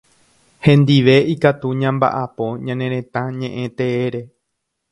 Hendive ikatu ñambaʼapo ñane retã ñeʼẽ teére.